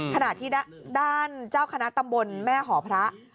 ขณะที่ด้านเจ้าคณะตำบลแม่หอพระ